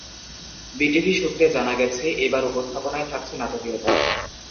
BTV সূত্রে জানা গেছে, এবার উপস্থাপনায় থাকছে নাটকীয়তা।